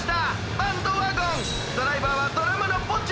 バンドワゴンドライバーはドラムのポチャ！